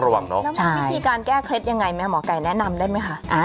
แล้วมีวิธีการแก้เคล็ดยังไงไหมหมอไก่แนะนำได้ไหมคะ